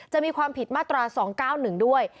จะมีความผิดมาตรา๒๙๑ด้วย